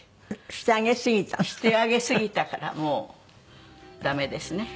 してあげすぎたからもう駄目ですね。